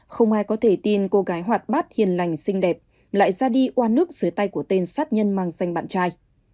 không ai có thể tin cô gái hoạt bát hiền lành xinh đẹp lại ra đi qua nước dưới tay của tên sát nhân mang danh bạn trai